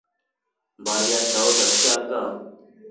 Mbari ya chao cha kshaka.